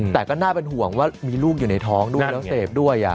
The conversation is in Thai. แต่ก็น่าเป็นห่วงว่ามีลูกอยู่ในท้องด้วยแล้วเสพด้วย